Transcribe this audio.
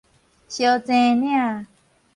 相爭領